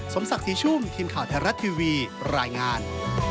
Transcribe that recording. สมศักดิ์ศรีชุ่มทีมข่าวไทยรัฐทีวีรายงาน